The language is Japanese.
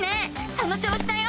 その調子だよ！